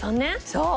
そう！